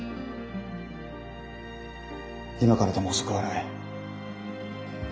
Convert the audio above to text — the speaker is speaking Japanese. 今からでも遅くはない。